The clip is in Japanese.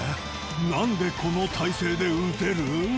なんでこの体勢で打てる？